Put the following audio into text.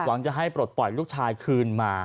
หวังจะให้ปลดปล่อยลูกชายคืนมา